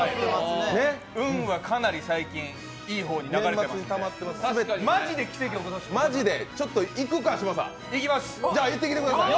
運はかなり最近いい方向に流れてますよ。